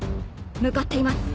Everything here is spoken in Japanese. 向かっています。